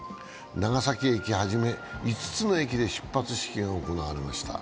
長崎駅はじめ５つの駅で出発式が行われました。